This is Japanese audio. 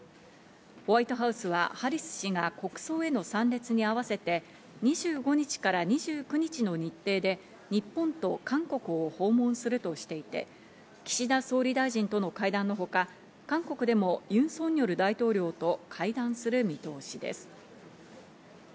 ホワイトハウスは、ハリス氏が国葬への参列に合わせて、２５日から２９日の日程で日本と韓国を訪問するとしていて、岸田総理大臣との会談のほか、韓国でもユン・ソンニョル大統領と会談する見通しです。